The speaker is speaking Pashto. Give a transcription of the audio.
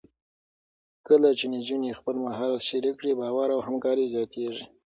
کله چې نجونې خپل مهارت شریک کړي، باور او همکاري زیاتېږي.